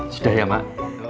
sudah ya mak